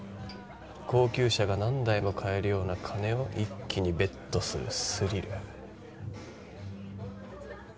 高級車が何台も買えるような金をいっきにベットするスリル。